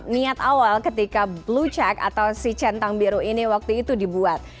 niat awal ketika blue check atau si centang biru ini waktu itu dibuat